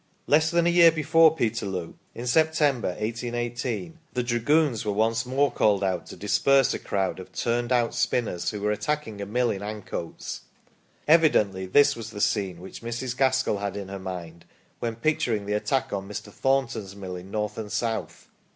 Less than a year before Peterloo, in September, 1818, the Dra goons were once more called out to disperse a crowd of " turned out " spinners who were attacking a mill in Ancoats. Evidently this was the scene which Mrs. Gaskell had in her mind when picturing the attack on Mr. Thornton's mill in "North and South".